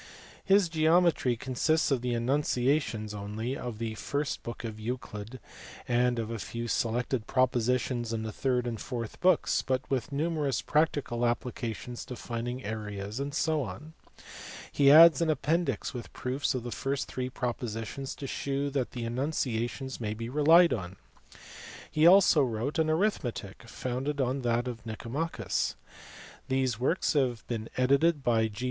His Geometry consists of the enunciations (only) of the first book of Euclid, and of a few selected propositions in the third and fourth books, but with numerous practical applications to finding areas, <fec. He adds an appendix with proofs of the first three propositions to shew that the enunciations may be relied on. He also wrote an Arithmetic, founded on that of Mcomachus. These works have been edited by G.